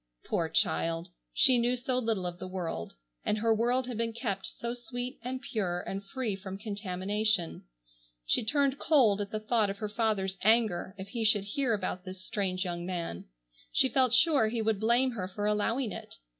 Poor child! She knew so little of the world, and her world had been kept so sweet and pure and free from contamination. She turned cold at the thought of her father's anger if he should hear about this strange young man. She felt sure he would blame her for allowing it.